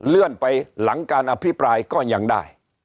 เลื่อนไปหลังการอภิปรายก็ยังได้